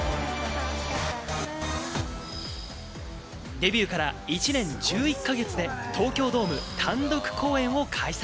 デビューから１年１１か月で東京ドーム単独公演を開催。